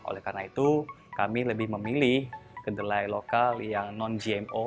oleh karena itu kami lebih memilih kedelai lokal yang non gmo